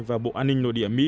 và bộ an ninh nội địa mỹ